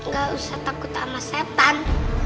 gak usah takut sama setan